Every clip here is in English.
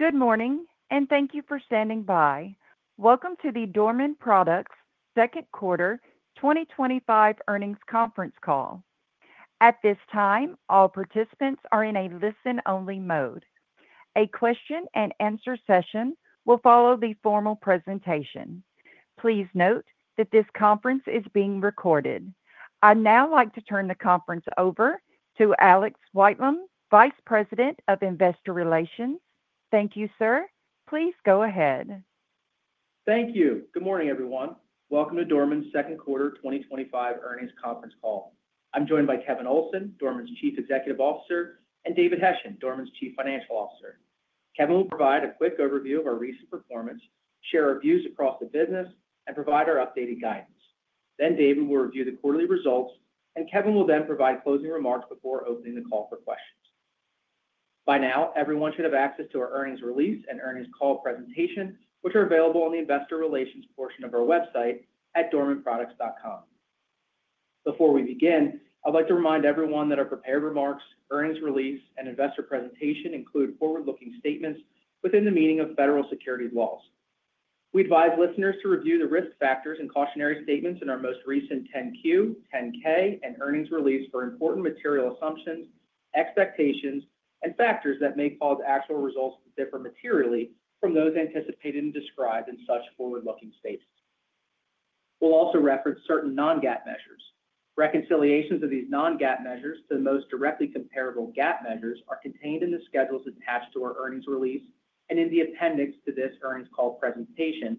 Good morning and thank you for standing by. Welcome to the Dorman Products Second Quarter 2025 Earnings Conference Call. At this time, all participants are in a listen-only mode. A question-and-answer session will follow the formal presentation. Please note that this conference is being recorded. I'd now like to turn the conference over to Alex Whitelam, Vice President of Investor Relations. Thank you, sir. Please go ahead. Thank you. Good morning, everyone. Welcome to Dorman's Second Quarter 2025 Earnings Conference Call. I'm joined by Kevin Olsen, Dorman's Chief Executive Officer, and David Hession, Dorman's Chief Financial Officer. Kevin will provide a quick overview of our recent performance, share our views across the business, and provide our updated guidance. David will review the quarterly results, and Kevin will then provide closing remarks before opening the call for questions. By now, everyone should have access to our earnings release and earnings call presentation, which are available on the Investor Relations portion of our website at dormanproducts.com. Before we begin, I'd like to remind everyone that our prepared remarks, earnings release, and investor presentation include forward-looking statements within the meaning of federal securities laws. We advise listeners to review the risk factors and cautionary statements in our most recent 10-Q, 10-K, and earnings release for important material assumptions, expectations, and factors that may cause actual results to differ materially from those anticipated and described in such forward-looking statements. We'll also reference certain non-GAAP measures. Reconciliations of these non-GAAP measures to the most directly comparable GAAP measures are contained in the schedules attached to our earnings release and in the appendix to this earnings call presentation,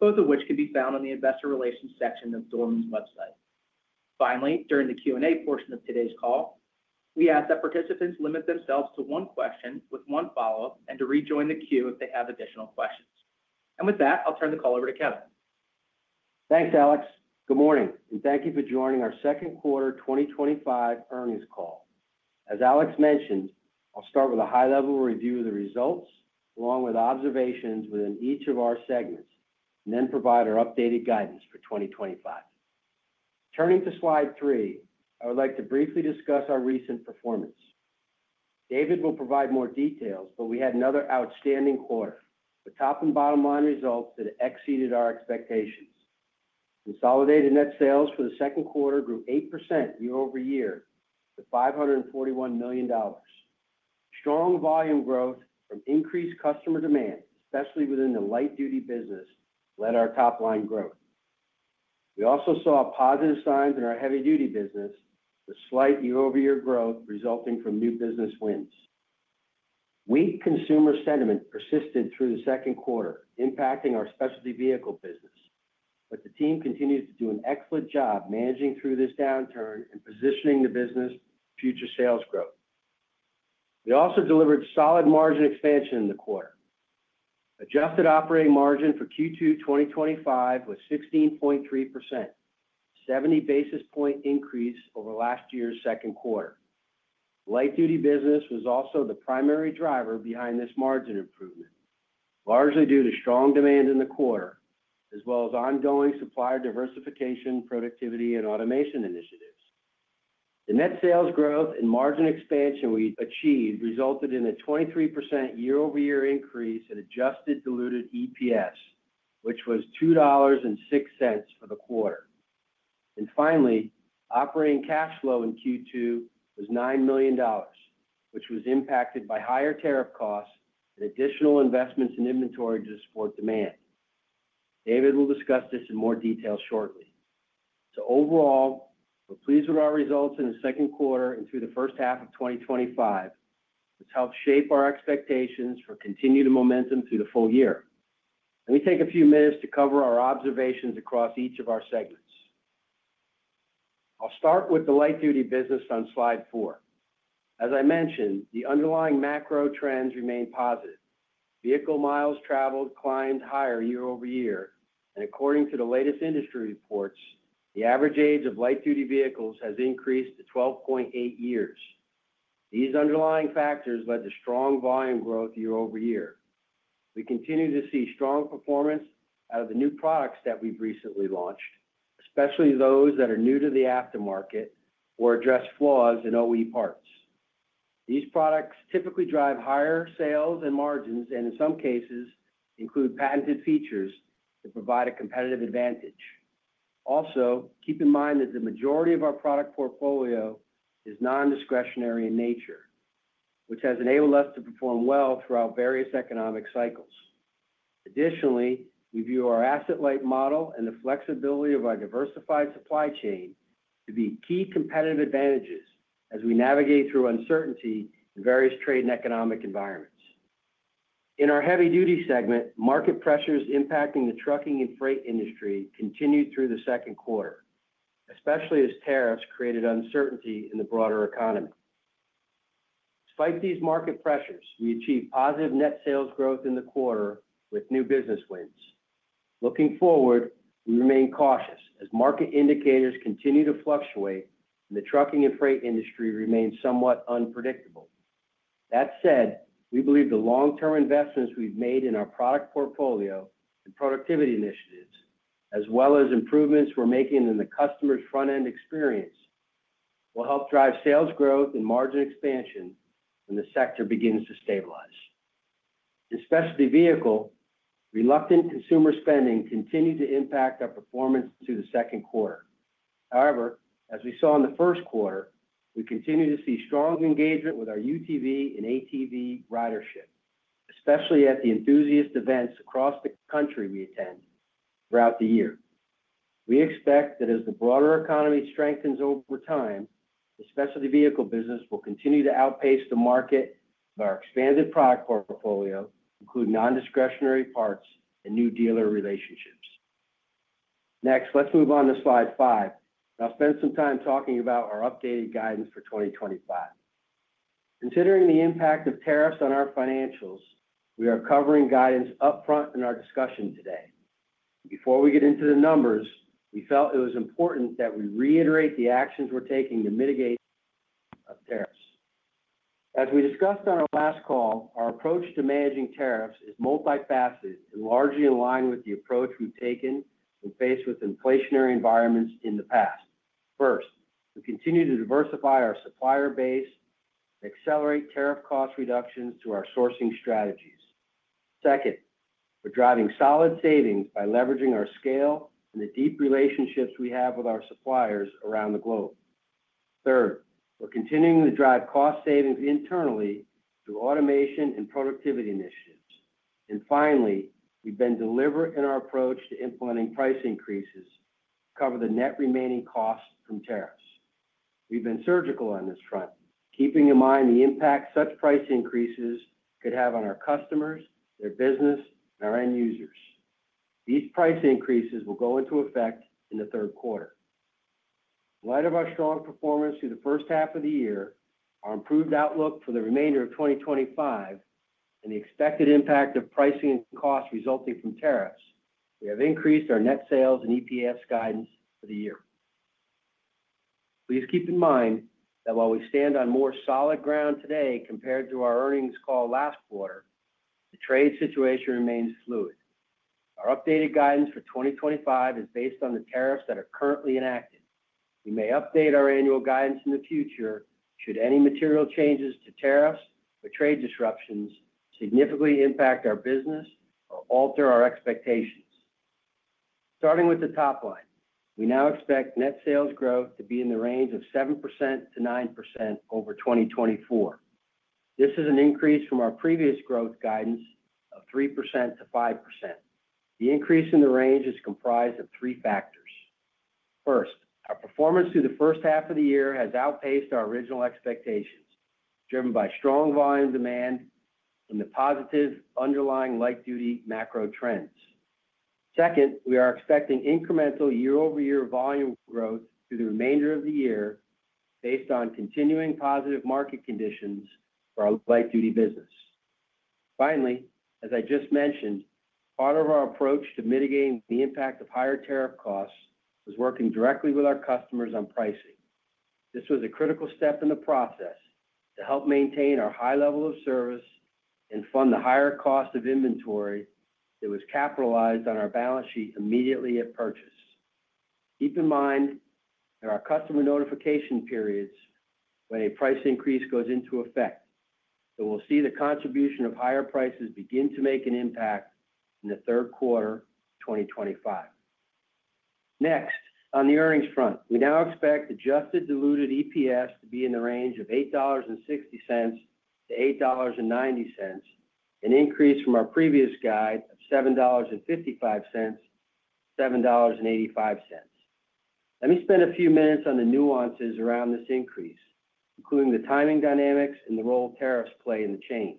both of which can be found on the Investor Relations section of Dorman's' website. Finally, during the Q&A portion of today's call, we ask that participants limit themselves to one question with one follow-up and to rejoin the queue if they have additional questions. With that, I'll turn the call over to Kevin. Thanks, Alex. Good morning, and thank you for joining our Second Quarter 2025 Earnings Call. As Alex mentioned, I'll start with a high-level review of the results, along with observations within each of our segments, and then provide our updated guidance for 2025. Turning to slide three, I would like to briefly discuss our recent performance. David will provide more details, but we had another outstanding quarter with top and bottom line results that exceeded our expectations. Consolidated net sales for the second quarter grew 8% year-over-year to $541 million. Strong volume growth from increased customer demand, especially within the light-duty business, led our top line growth. We also saw positive signs in our heavy-duty business, with slight year-over-year growth resulting from new business wins. Weak consumer sentiment persisted through the second quarter, impacting our specialty vehicle business, but the team continued to do an excellent job managing through this downturn and positioning the business for future sales growth. We also delivered solid margin expansion in the quarter. Adjusted operating margin for Q2 2025 was 16.3%, a 70 basis point increase over last year's second quarter. The light-duty business was also the primary driver behind this margin improvement, largely due to strong demand in the quarter, as well as ongoing supplier diversification, productivity, and automation initiatives. The net sales growth and margin expansion we achieved resulted in a 23% year-over-year increase in adjusted diluted EPS, which was $2.06 for the quarter. Finally, operating cash flow in Q2 was $9 million, which was impacted by higher tariff costs and additional investments in inventory to support demand. David will discuss this in more detail shortly. Overall, we're pleased with our results in the second quarter and through the first half of 2025, which helped shape our expectations for continued momentum through the full year. Let me take a few minutes to cover our observations across each of our segments. I'll start with the light-duty business on slide four. As I mentioned, the underlying macro trends remain positive. Vehicle miles traveled climbed higher year-over-year, and according to the latest industry reports, the average age of light-duty vehicles has increased to 12.8 years. These underlying factors led to strong volume growth year-over-year. We continue to see strong performance out of the new products that we've recently launched, especially those that are new to the aftermarket or address flaws in OE parts. These products typically drive higher sales and margins, and, in some cases, include patented features that provide a competitive advantage. Also, keep in mind that the majority of our product portfolio is non-discretionary in nature, which has enabled us to perform well throughout various economic cycles. Additionally, we view our asset-light model and the flexibility of our diversified supply chain to be key competitive advantages as we navigate through uncertainty in various trade and economic environments. In our heavy-duty segment, market pressures impacting the trucking and freight industry continued through the second quarter, especially as tariffs created uncertainty in the broader economy. Despite these market pressures, we achieved positive net sales growth in the quarter with new business wins. Looking forward, we remain cautious as market indicators continue to fluctuate and the trucking and freight industry remains somewhat unpredictable. That said, we believe the long-term investments we've made in our product portfolio and productivity initiatives, as well as improvements we're making in the customer's front-end experience, will help drive sales growth and margin expansion when the sector begins to stabilize. In specialty vehicle, reluctant consumer spending continued to impact our performance through the second quarter. However, as we saw in the first quarter, we continue to see strong engagement with our UTV and ATV ridership, especially at the enthusiast events across the country we attend throughout the year. We expect that as the broader economy strengthens over time, the specialty vehicle business will continue to outpace the market, but our expanded product portfolio includes non-discretionary parts and new dealer relationships. Next, let's move on to slide five. I'll spend some time talking about our updated guidance for 2025. Considering the impact of tariffs on our financials, we are covering guidance upfront in our discussion today. Before we get into the numbers, we felt it was important that we reiterate the actions we're taking to mitigate tariffs. As we discussed on our last call, our approach to managing tariffs is multifaceted and largely in line with the approach we've taken when faced with inflationary environments in the past. First, we continue to diversify our supplier base and accelerate tariff cost reductions through our sourcing strategies. Second, we're driving solid savings by leveraging our scale and the deep relationships we have with our suppliers around the globe. Third, we're continuing to drive cost savings internally through automation and productivity initiatives. Finally, we've been deliberate in our approach to implementing price increases to cover the net remaining costs from tariffs. We've been surgical on this front, keeping in mind the impact such price increases could have on our customers, their business, and our end users. These price increases will go into effect in the third quarter. In light of our strong performance through the first half of the year, our improved outlook for the remainder of 2025, and the expected impact of pricing and costs resulting from tariffs, we have increased our net sales and EPS guidance for the year. Please keep in mind that while we stand on more solid ground today compared to our earnings call last quarter, the trade situation remains fluid. Our updated guidance for 2025 is based on the tariffs that are currently enacted. We may update our annual guidance in the future should any material changes to tariffs or trade disruptions significantly impact our business or alter our expectations. Starting with the top line, we now expect net sales growth to be in the range of 7%-9% over 2024. This is an increase from our previous growth guidance of 3%-5%. The increase in the range is comprised of three factors. First, our performance through the first half of the year has outpaced our original expectations, driven by strong volume demand and the positive underlying light-duty macro trends. Second, we are expecting incremental year-over-year volume growth through the remainder of the year based on continuing positive market conditions for our light-duty business. Finally, as I just mentioned, part of our approach to mitigating the impact of higher tariff costs was working directly with our customers on pricing. This was a critical step in the process to help maintain our high level of service and fund the higher cost of inventory that was capitalized on our balance sheet immediately at purchase. Keep in mind there are customer notification periods when a price increase goes into effect, so we'll see the contribution of higher prices begin to make an impact in the third quarter of 2025. Next, on the earnings front, we now expect adjusted diluted EPS to be in the range of $8.60-$8.90, an increase from our previous guide of $7.55-$7.85. Let me spend a few minutes on the nuances around this increase, including the timing dynamics and the role tariffs play in the change.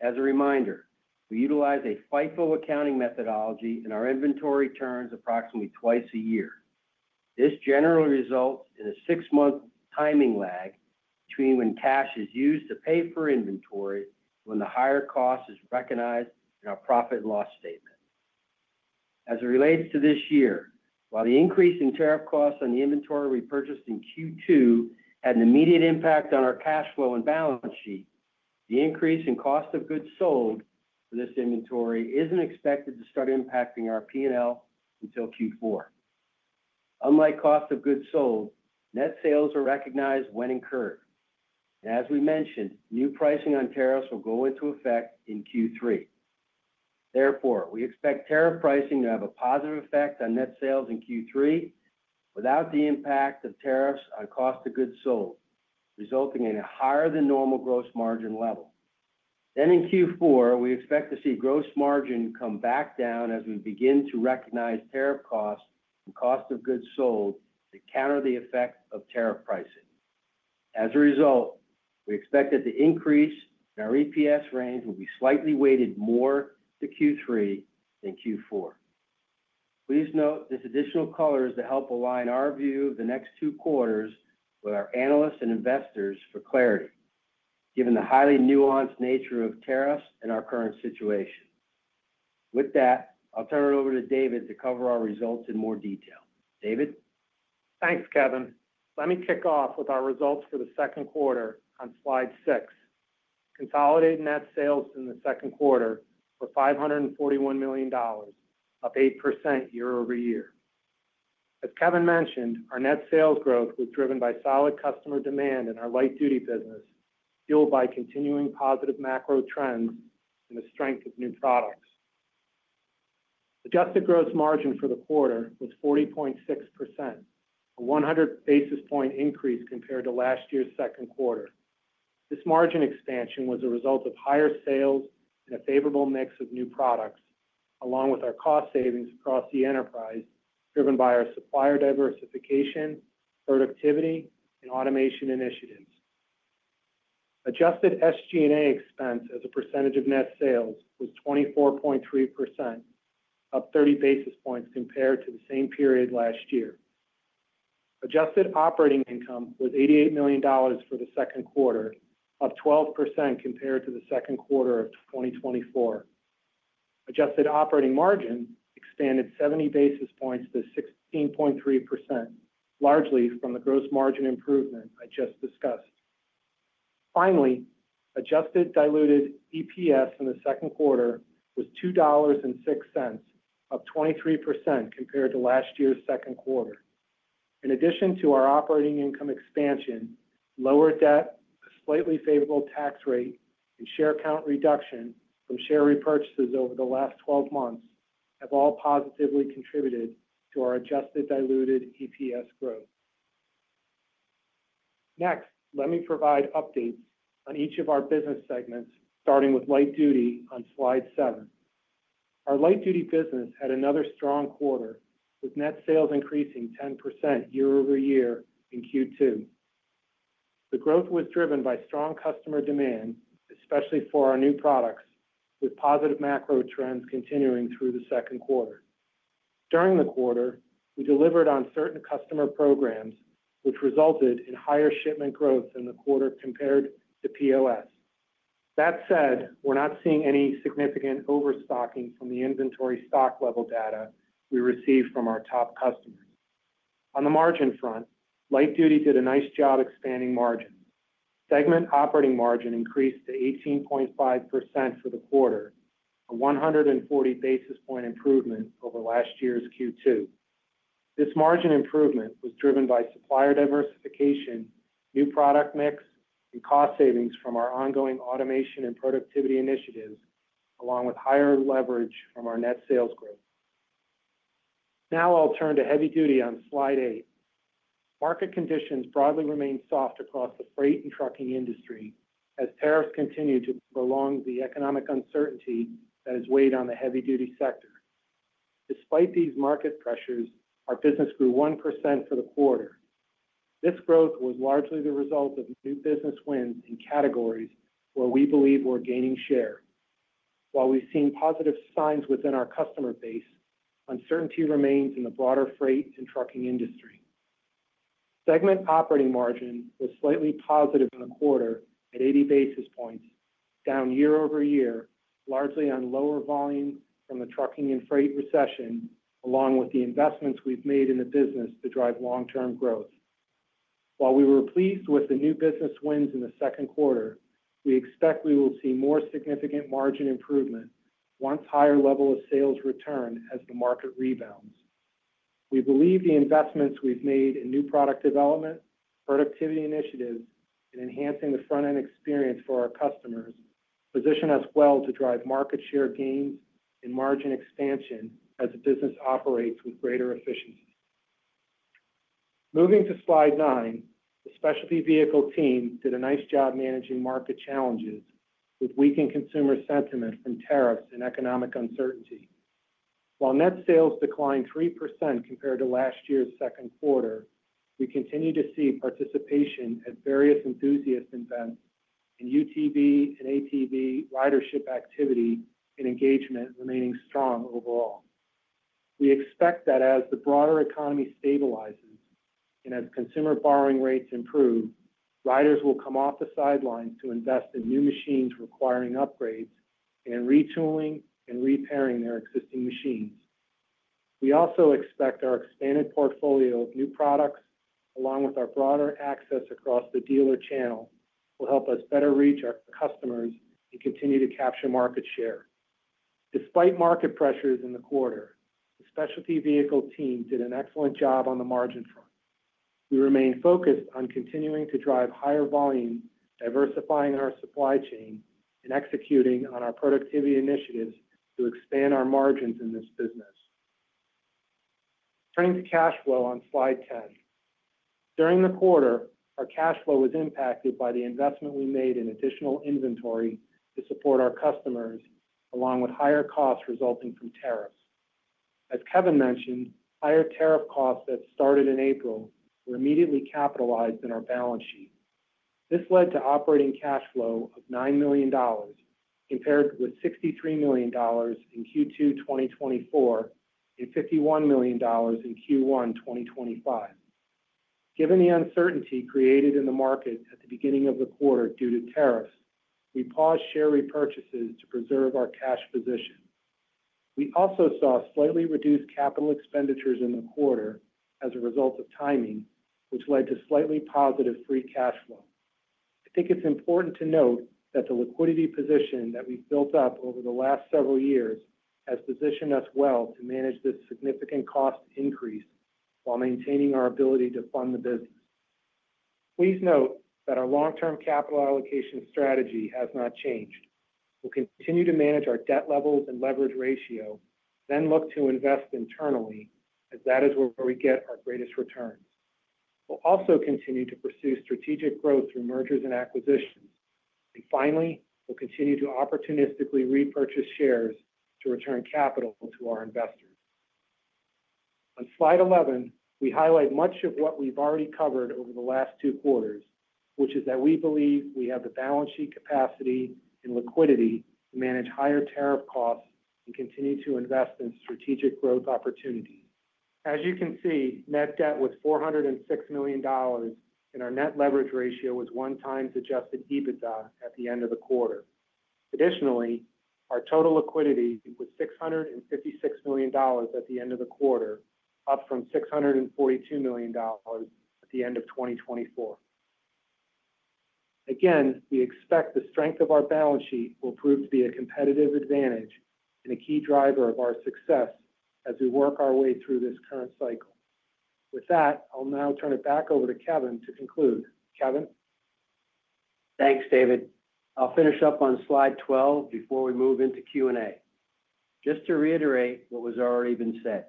As a reminder, we utilize a FIFO accounting methodology and our inventory turns approximately twice a year. This generally results in a six-month timing lag between when cash is used to pay for inventory and when the higher cost is recognized in our profit and loss statement. As it relates to this year, while the increase in tariff costs on the inventory we purchased in Q2 had an immediate impact on our cash flow and balance sheet, the increase in cost of goods sold for this inventory isn't expected to start impacting our P&L until Q4. Unlike cost of goods sold, net sales are recognized when incurred. As we mentioned, new pricing on tariffs will go into effect in Q3. Therefore, we expect tariff pricing to have a positive effect on net sales in Q3 without the impact of tariffs on cost of goods sold, resulting in a higher-than-normal gross margin level. In Q4, we expect to see gross margin come back down as we begin to recognize tariff costs in cost of goods sold to counter the effects of tariff pricing. As a result, we expect that the increase in our EPS range will be slightly weighted more to Q3 than Q4. Please note this additional color is to help align our view of the next two quarters with our analysts and investors for clarity, given the highly nuanced nature of tariffs and our current situation. With that, I'll turn it over to David to cover our results in more detail. David? Thanks, Kevin. Let me kick off with our results for the second quarter on slide six. Consolidated net sales in the second quarter were $541 million, up 8% year-over-year. As Kevin mentioned, our net sales growth was driven by solid customer demand in our light-duty business, fueled by continuing positive macro trends and the strength of new products. Adjusted gross margin for the quarter was 40.6%, a 100 basis point increase compared to last year's second quarter. This margin expansion was a result of higher sales and a favorable mix of new products, along with our cost savings across the enterprise, driven by our supplier diversification, productivity, and automation initiatives. Adjusted SG&A expense as a percentage of net sales was 24.3%, up 30 basis points compared to the same period last year. Adjusted operating income was $88 million for the second quarter, up 12% compared to the second quarter of 2024. Adjusted operating margin expanded 70 basis points to 16.3%, largely from the gross margin improvement I just discussed. Finally, adjusted diluted EPS in the second quarter was $2.06, up 23% compared to last year's second quarter. In addition to our operating income expansion, lower debt, a slightly favorable tax rate, and share count reduction from share repurchases over the last 12 months have all positively contributed to our adjusted diluted EPS growth. Next, let me provide updates on each of our business segments, starting with light duty on slide seven. Our light-duty business had another strong quarter, with net sales increasing 10% year-over-year in Q2. The growth was driven by strong customer demand, especially for our new products, with positive macro trends continuing through the second quarter. During the quarter, we delivered on certain customer programs, which resulted in higher shipment growth in the quarter compared to POS. That said, we're not seeing any significant overstocking from the inventory stock level data we received from our top customers. On the margin front, light duty did a nice job expanding margin. Segment operating margin increased to 18.5% for the quarter, a 140 basis point improvement over last year's Q2. This margin improvement was driven by supplier diversification, new product mix, and cost savings from our ongoing automation and productivity initiatives, along with higher leverage from our net sales growth. Now I'll turn to heavy duty on slide eight. Market conditions broadly remain soft across the freight and trucking industry as tariffs continue to prolong the economic uncertainty that has weighed on the heavy-duty sector. Despite these market pressures, our business grew 1% for the quarter. This growth was largely the result of new business wins in categories where we believe we're gaining share. While we've seen positive signs within our customer base, uncertainty remains in the broader freight and trucking industry. Segment operating margin was slightly positive in the quarter at 80 basis points, down year-over-year, largely on lower volume from the trucking and freight recession, along with the investments we've made in the business to drive long-term growth. While we were pleased with the new business wins in the second quarter, we expect we will see more significant margin improvement once a higher level of sales return as the market rebounds. We believe the investments we've made in new product development, productivity and automation initiatives, and enhancing the front-end experience for our customers position us well to drive market share gains and margin expansion as the business operates with greater efficiency. Moving to slide nine, the specialty vehicle team did a nice job managing market challenges with weakened consumer sentiment from tariffs and economic uncertainty. While net sales declined 3% compared to last year's second quarter, we continue to see participation at various enthusiast events in UTV and ATV ridership activity and engagement remaining strong overall. We expect that as the broader economy stabilizes and as consumer borrowing rates improve, riders will come off the sidelines to invest in new machines requiring upgrades and retooling and repairing their existing machines. We also expect our expanded portfolio of new products, along with our broader access across the dealer channel, will help us better reach our customers and continue to capture market share. Despite market pressures in the quarter, the specialty vehicle team did an excellent job on the margin front. We remain focused on continuing to drive higher volume, diversifying our supply chain, and executing on our productivity and automation initiatives to expand our margins in this business. Turning to cash flow on slide ten. During the quarter, our cash flow was impacted by the investment we made in additional inventory to support our customers, along with higher costs resulting from tariffs. As Kevin mentioned, higher tariff costs that started in April were immediately capitalized in our balance sheet. This led to operating cash flow of $9 million compared with $63 million in Q2 2024 and $51 million in Q1 2025. Given the uncertainty created in the market at the beginning of the quarter due to tariffs, we paused share repurchases to preserve our cash position. We also saw slightly reduced capital expenditures in the quarter as a result of timing, which led to slightly positive free cash flow. I think it's important to note that the liquidity position that we've built up over the last several years has positioned us well to manage this significant cost increase while maintaining our ability to fund the business. Please note that our long-term capital allocation strategy has not changed. We'll continue to manage our debt levels and net leverage ratio, then look to invest internally as that is where we get our greatest return. We'll also continue to pursue strategic growth through M&A. Finally, we'll continue to opportunistically repurchase shares to return capital to our investors. On slide 11, we highlight much of what we've already covered over the last two quarters, which is that we believe we have the balance sheet capacity and liquidity to manage higher tariff costs and continue to invest in strategic growth opportunities. As you can see, net debt was $406 million and our net leverage ratio was 1x adjusted EBITDA at the end of the quarter. Additionally, our total liquidity was $656 million at the end of the quarter, up from $642 million at the end of 2024. Again, we expect the strength of our balance sheet will prove to be a competitive advantage and a key driver of our success as we work our way through this current cycle. With that, I'll now turn it back over to Kevin to conclude. Kevin? Thanks, David. I'll finish up on slide 12 before we move into Q&A. Just to reiterate what has already been said,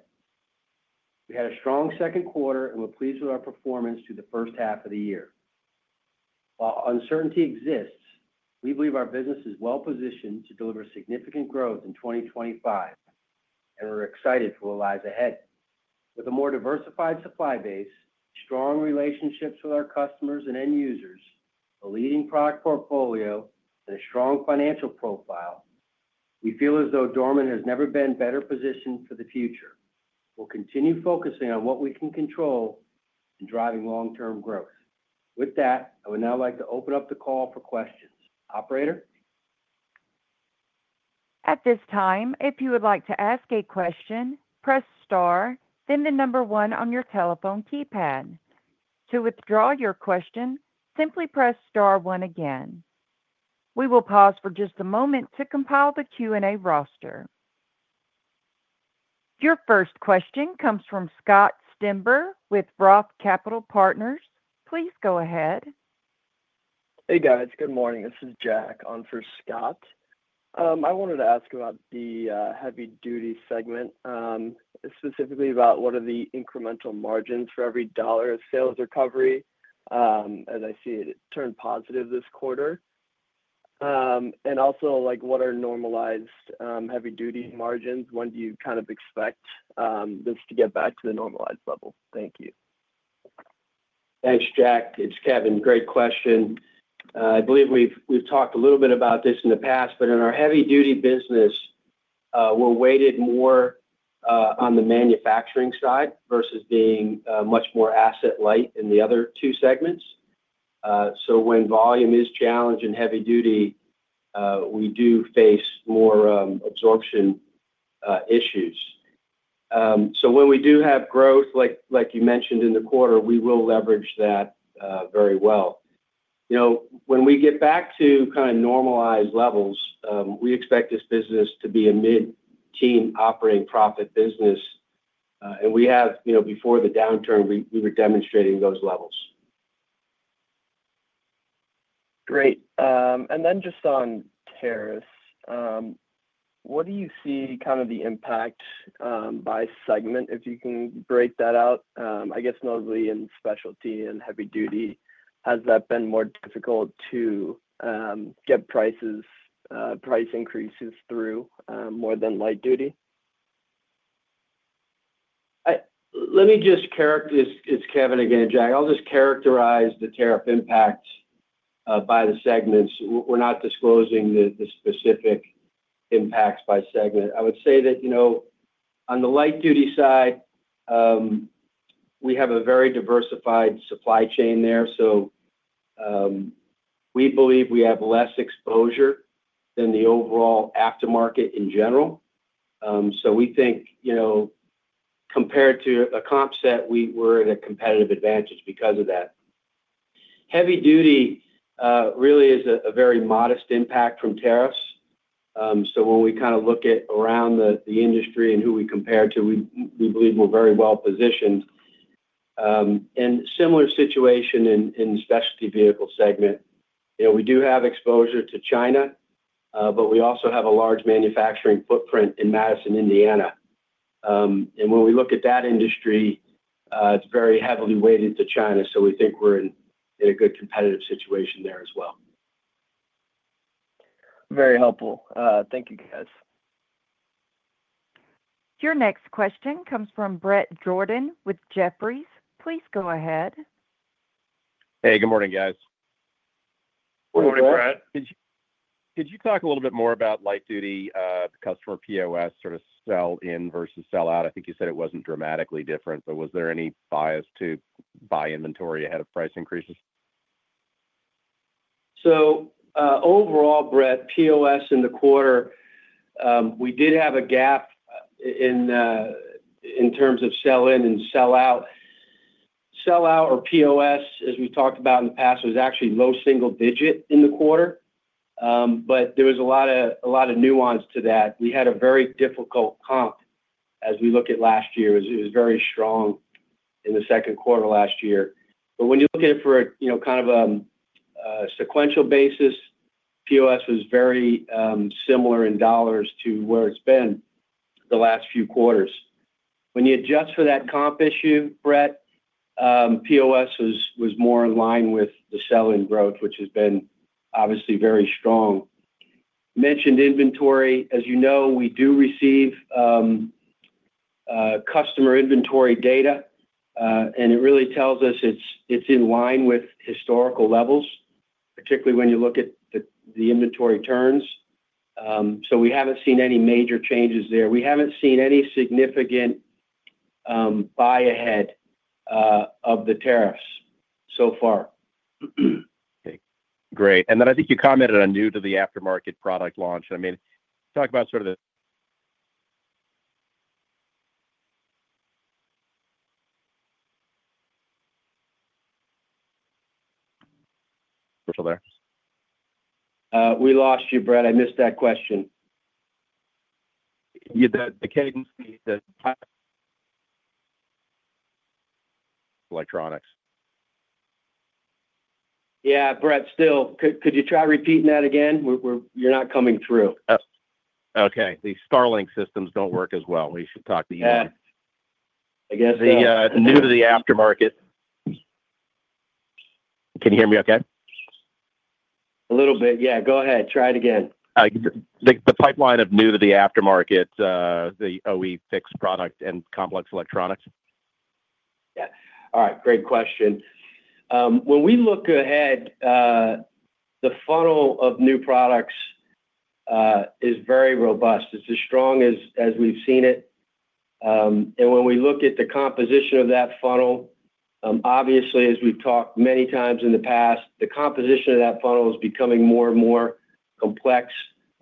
we had a strong second quarter, and we're pleased with our performance through the first half of the year. While uncertainty exists, we believe our business is well-positioned to deliver significant growth in 2025, and we're excited for what lies ahead. With a more diversified supply base, strong relationships with our customers and end users, a leading product portfolio, and a strong financial profile, we feel as though Dorman has never been better positioned for the future. We'll continue focusing on what we can control and driving long-term growth. With that, I would now like to open up the call for questions. Operator? At this time, if you would like to ask a question, press star, then the number one on your telephone keypad. To withdraw your question, simply press star one again. We will pause for just a moment to compile the Q&A roster. Your first question comes from Scott Stember with ROTH Capital Partners. Please go ahead. Hey, guys. Good morning. This is Jack on for Scott. I wanted to ask about the heavy-duty segment, specifically about what are the incremental margins for every dollar of sales recovery, as I see it turn positive this quarter. Also, what are normalized heavy-duty margins? When do you kind of expect this to get back to the normalized level? Thank you. Thanks, Jack. It's Kevin. Great question. I believe we've talked a little bit about this in the past, but in our heavy-duty business, we're weighted more on the manufacturing side versus being much more asset-light in the other two segments. When volume is challenged in heavy-duty, we do face more absorption issues. When we do have growth, like you mentioned in the quarter, we will leverage that very well. You know, when we get back to kind of normalized levels, we expect this business to be a mid-teen operating profit business, and we have, before the downturn, we were demonstrating those levels. Great. On tariffs, what do you see as the impact by segment, if you can break that out? I guess notably in specialty and heavy-duty, has that been more difficult to get price increases through, more than light-duty? Let me just characterize this. It's Kevin again, Jack. I'll just characterize the tariff impact by the segments. We're not disclosing the specific impacts by segment. I would say that, you know, on the light-duty side, we have a very diversified supply chain there. We believe we have less exposure than the overall aftermarket in general. We think, you know, compared to a comp set, we're in a competitive advantage because of that. Heavy-duty really is a very modest impact from tariffs. When we look around the industry and who we compare to, we believe we're very well positioned. A similar situation exists in the specialty vehicle segment. You know, we do have exposure to China, but we also have a large manufacturing footprint in Madison, Indiana. When we look at that industry, it's very heavily weighted to China. We think we're in a good competitive situation there as well. Very helpful. Thank you, guys. Your next question comes from Bret Jordan with Jefferies. Please go ahead. Hey, good morning, guys. Morning, Brett. Could you talk a little bit more about light-duty, the customer POS sort of sell in versus sell out? I think you said it wasn't dramatically different, but was there any bias to buy inventory ahead of price increases? Overall, Bret, POS in the quarter, we did have a gap in terms of sell-in and sell-out. Sell-out or POS, as we've talked about in the past, was actually low single digit in the quarter, but there was a lot of nuance to that. We had a very difficult comp as we look at last year. It was very strong in the second quarter last year. When you're looking for a sequential basis, POS was very similar in dollars to where it's been the last few quarters. When you adjust for that comp issue, Bret, POS was more in line with the sell-in growth, which has been obviously very strong. Mentioned inventory. As you know, we do receive customer inventory data, and it really tells us it's in line with historical levels, particularly when you look at the inventory turns. We haven't seen any major changes there. We haven't seen any significant buy-ahead of the tariffs so far. Okay. Great. I think you commented on new to the aftermarket product launch. Talk about sort of the—we're still there? We lost you, Bret. I missed that question. Yeah, the cadence, the electronics. Yeah, Bret, could you try repeating that again? You're not coming through. Oh, okay. The Starlink systems don't work as well. We should talk to you. Yeah, I guess the new to the aftermarket. Can you hear me okay? Yeah, go ahead. Try it again. The pipeline of new to the aftermarket, the OE fixed product, and complex electronics. Yeah. All right. Great question. When we look ahead, the funnel of new products is very robust. It's as strong as we've seen it. When we look at the composition of that funnel, obviously, as we've talked manyx in the past, the composition of that funnel is becoming more and more complex,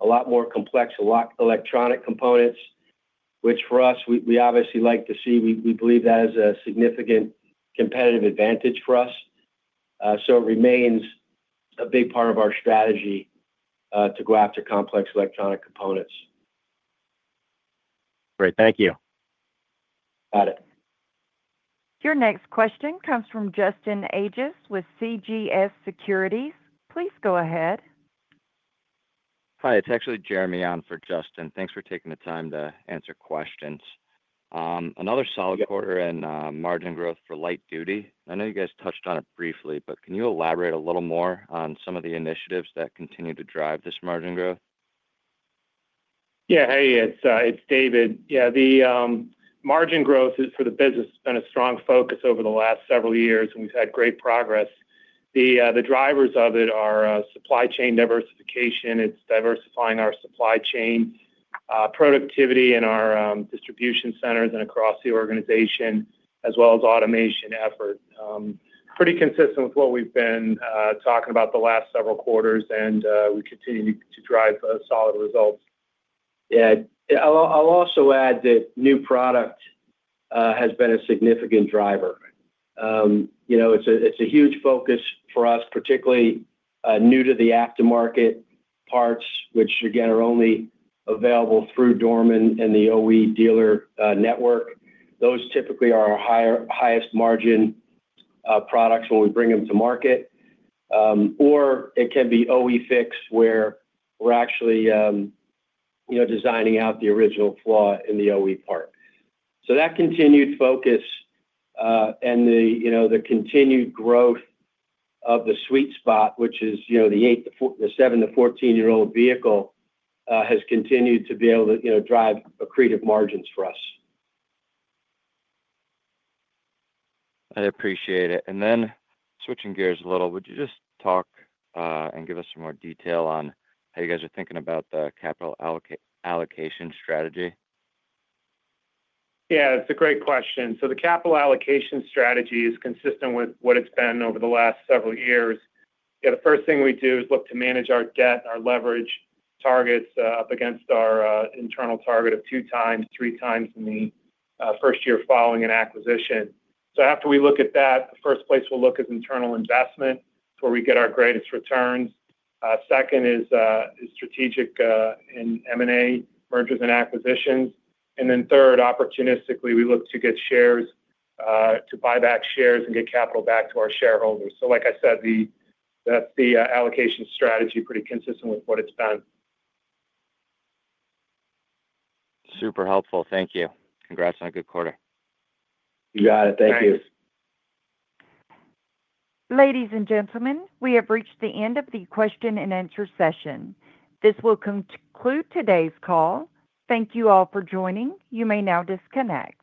a lot more complex, a lot electronic components, which for us, we obviously like to see. We believe that is a significant competitive advantage for us. It remains a big part of our strategy to go after complex electronic components. Great. Thank you. Got it. Your next question comes from Justin Ages with CJS Securities. Please go ahead. Hi. It's actually Jeremy on for Justin. Thanks for taking the time to answer questions. Another solid quarter in margin growth for light duty. I know you guys touched on it briefly, but can you elaborate a little more on some of the initiatives that continue to drive this margin growth? Yeah. Hey, it's David. Yeah, the margin growth for the business has been a strong focus over the last several years, and we've had great progress. The drivers of it are supply chain diversification. It's diversifying our supply chain, productivity in our distribution centers and across the organization, as well as automation effort. Pretty consistent with what we've been talking about the last several quarters, and we continue to drive solid results. I'll also add that new product has been a significant driver. You know, it's a huge focus for us, particularly new to the aftermarket parts, which again are only available through Dorman and the OE dealer network. Those typically are our highest margin products when we bring them to market, or it can be OE fixed where we're actually designing out the original flaw in the OE part. That continued focus and the continued growth of the sweet spot, which is the seven to 14-year-old vehicle, has continued to be able to drive accretive margins for us. I appreciate it. Switching gears a little, would you just talk and give us some more detail on how you guys are thinking about the capital allocation strategy? Yeah, it's a great question. The capital allocation strategy is consistent with what it's been over the last several years. The first thing we do is look to manage our debt, our leverage targets up against our internal target of twox, threex in the first year following an acquisition. After we look at that, the first place we'll look is internal investment, where we get our greatest returns. Second is strategic in M&A, mergers and acquisitions. Third, opportunistically, we look to buy back shares and get capital back to our shareholders. Like I said, that's the allocation strategy, pretty consistent with what it's been. Super helpful. Thank you. Congrats on a good quarter. You got it. Thank you. Ladies and gentlemen, we have reached the end of the question-and-answer session. This will conclude today's call. Thank you all for joining. You may now disconnect.